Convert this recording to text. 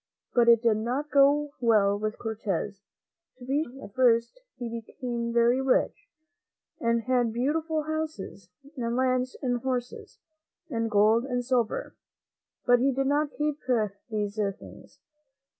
But it did not go well with Cortez. To be sure, at first he became very rich, and had beautiful houses, and lands, and horses, and gold and silver; but he did not long keep these things.